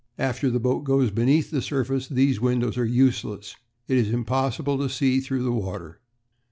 After the boat goes beneath the surface, these windows are useless; it is impossible to see through the water.